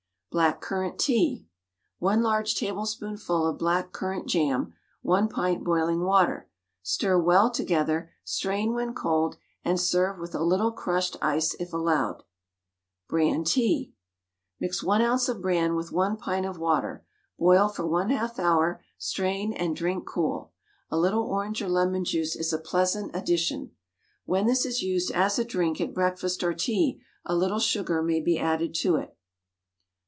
BLACK CURRANT TEA. 1 large tablespoonful of black currant jam, 1 pint boiling water. Stir well together, strain when cold, and serve with a little crushed ice if allowed. BRAN TEA. Mix 1 oz. of bran with 1 pint of water, boil for 1/2 hour, strain, and drink cool. A little orange or lemon juice is a pleasant addition. When this is used as a drink at breakfast or tea, a little sugar may be added to it.